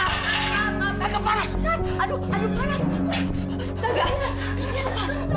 aku pasti bisa mempubut kamu dari andre wi